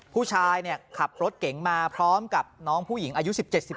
ผู้ชายขับรถเก๋งมาพร้อมกับน้องผู้หญิงอายุ๑๗๑๘